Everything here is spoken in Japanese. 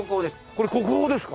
これ国宝ですか？